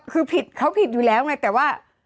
คือผิดเขาผิดอยู่แล้วไงแต่ว่า